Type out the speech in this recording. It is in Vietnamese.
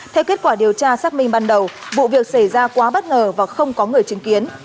theo kết quả điều tra xác minh ban đầu vụ việc xảy ra quá bất ngờ và không có người chứng kiến